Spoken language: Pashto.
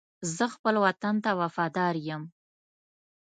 زه خپل وطن ته وفادار یم.